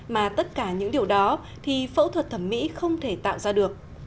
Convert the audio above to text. mà tất cả những điều đó thì phẫu thuật thẩm mỹ không thể tạo ra được